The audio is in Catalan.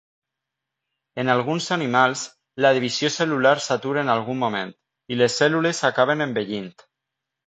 En alguns animals, la divisió cel·lular s'atura en algun moment, i les cèl·lules acaben envellint.